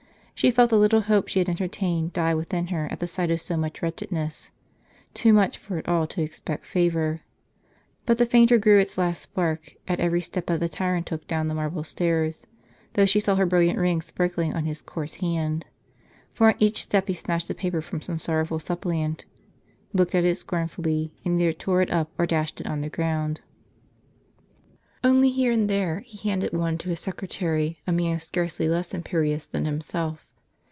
She felt the little hope she had entertained die within her at the sight of so much wretchedness, too much for it all to expect favor. But fainter grew its last spark, at every step that the tyrant took dow^n the marble stairs, though she saw her brilliant ring si:)arkling on his coarse hand. For on each step he snatched a paper from some sorrowful sup IDliant, looked at it scornfully, and either tore it up, or dashed it on the ground. Only here and there, he handed one to his secretary, a man scarcely less imperious than himself.